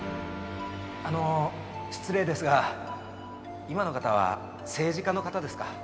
あの失礼ですが今の方は政治家の方ですか？